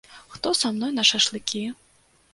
Хто са мной на шашлыкі?